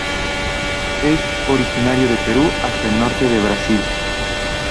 Es originario de Perú hasta el norte de Brasil.